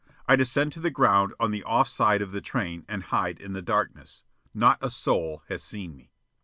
I descend to the ground on the off side of the train and hide in the darkness. Not a soul has seen me.